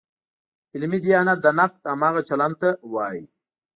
علمي دیانت د نقد همغه چلن ته وایي.